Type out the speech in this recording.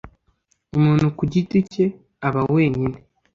umuntu ku giti cye aba wenyine